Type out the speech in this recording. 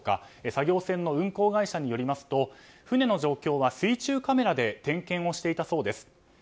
作業船の運行会社によりますと船の状況は水中カメラで点検をしていたようです。